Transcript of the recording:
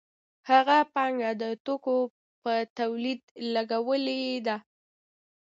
هغه پانګه د توکو په تولید لګولې ده